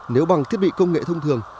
nếu bằng thiết bị công nghệ thông thường